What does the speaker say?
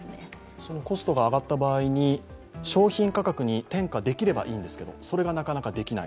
そのコストが上がった場合に商品価格に転嫁できればいいんですけど、それがなかなかできない。